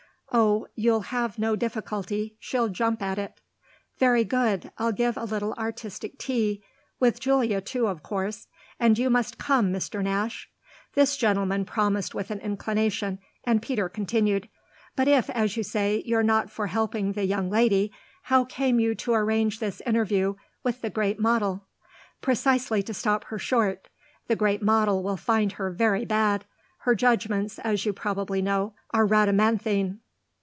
"Oh you'll have no difficulty. She'll jump at it!" "Very good. I'll give a little artistic tea with Julia too of course. And you must come, Mr. Nash." This gentleman promised with an inclination, and Peter continued: "But if, as you say, you're not for helping the young lady, how came you to arrange this interview with the great model?" "Precisely to stop her short. The great model will find her very bad. Her judgements, as you probably know, are Rhadamanthine."